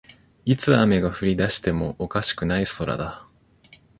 いつ雨が降りだしてもおかしくない空だ